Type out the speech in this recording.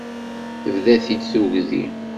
Tebda-t-id tugdi.